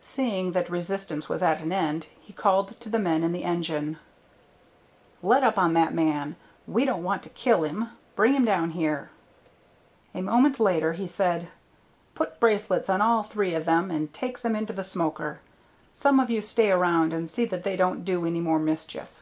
Seeing that resistance was at an end, he called to the men in the engine: "Let up on that man; we don't want to kill him. Bring him down here." A moment later, he said: "Put bracelets on all three of them and take them into the smoker. Some of you stay around and see that they don't do any more mischief."